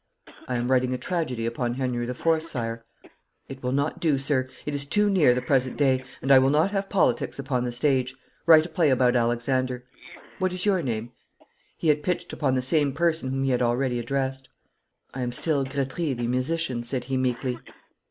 'I am writing a tragedy upon Henry IV., sire.' 'It will not do, sir. It is too near the present day, and I will not have politics upon the stage. Write a play about Alexander. What is your name?' He had pitched upon the same person whom he had already addressed. 'I am still Gretry, the musician,' said he meekly.